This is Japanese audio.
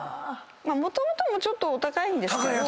もともともちょっとお高いんですけど。